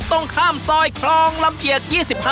ตรงข้ามซอยคลองลำเจียก๒๕